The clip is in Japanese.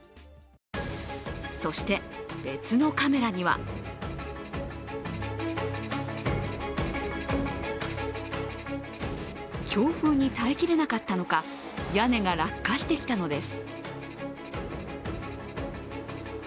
そして、別のカメラには強風に耐えきれなかったのか屋根が落下してきたのです。